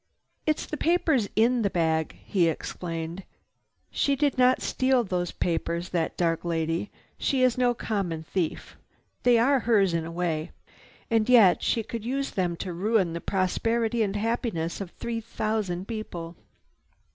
"It's the papers in that bag," he explained. "She did not steal those papers, that dark lady. She is no common thief. They are hers in a way. And yet she could use them to ruin the prosperity and happiness of three thousand people."